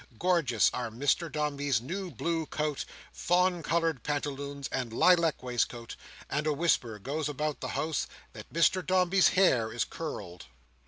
Gorgeous are Mr Dombey's new blue coat, fawn coloured pantaloons, and lilac waistcoat; and a whisper goes about the house, that Mr Dombey's hair is curled.